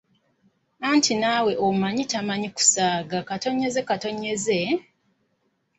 Anti naawe omumanyi atamanyi kusaaga…..!